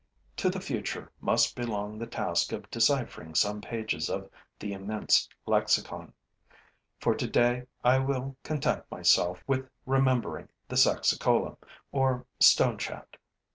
To the future must belong the task of deciphering some pages of the immense lexicon; for today I will content myself with remembering the Saxicola, or stonechat.